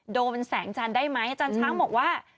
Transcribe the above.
แสงจันทร์ได้ไหมอาจารย์ช้างบอกว่า